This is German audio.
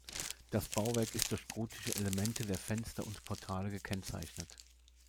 Das Bauwerk ist durch gotische Elemente der Fenster und Portale gekennzeichnet.